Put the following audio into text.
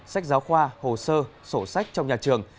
sách giáo khoa hồ sơ sổ sách trong nhà trường